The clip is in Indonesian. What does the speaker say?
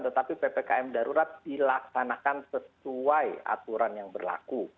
tetapi ppkm darurat dilaksanakan sesuai aturan yang berlaku